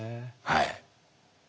はい。